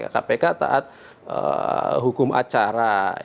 kpk taat hukum acara